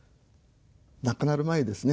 亡くなる前ですね